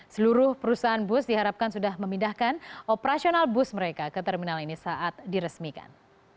seluruh perusahaan bus diharapkan sudah memindahkan operasional bus mereka ke terminal ini saat diresmikan